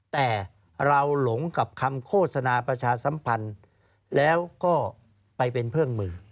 แต่เราหลงกับคำโฆษณาประชาสัมพันธ์แล้วก็ไปเป็นเครื่องมือ